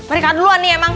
mari kak duluan nih emang